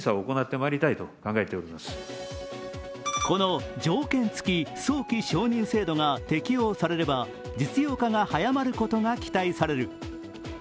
この条件付き早期承認制度が適用されれば実用化が早まることが期待される。